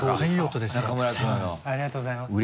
ありがとうございます。